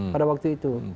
pada waktu itu